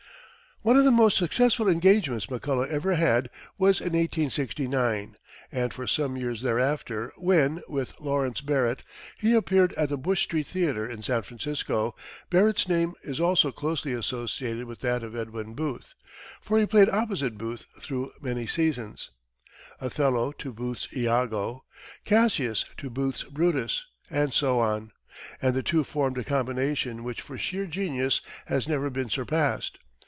One of the most successful engagements McCullough ever had was in 1869 and for some years thereafter, when, with Lawrence Barrett, he appeared at the Bush Street theatre in San Francisco. Barrett's name is also closely associated with that of Edwin Booth, for he played opposite Booth through many seasons Othello to Booth's Iago, Cassius to Booth's Brutus, and so on; and the two formed a combination which for sheer genius has never been surpassed.